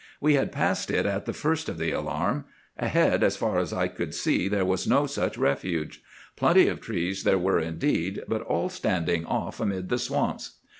We had passed it at the first of the alarm. Ahead, as far as I could see, there was no such refuge. Plenty of trees there were indeed, but all standing off amid the swamps.